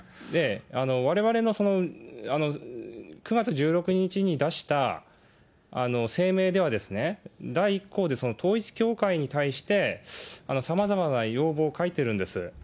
われわれの９月１６日に出した声明では、第１項で、統一教会に対してさまざまな要望を書いてるんです。